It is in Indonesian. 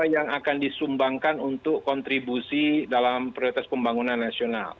yang akan disumbangkan untuk kontribusi dalam prioritas pembangunan nasional